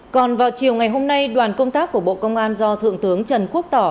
còn vào chiều ngày hôm nay đoàn công tác của bộ công an do thượng tướng trần quốc tỏ